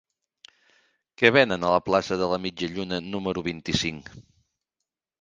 Què venen a la plaça de la Mitja Lluna número vint-i-cinc?